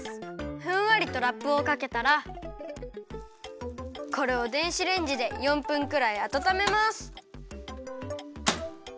ふんわりとラップをかけたらこれを電子レンジで４分くらいあたためます。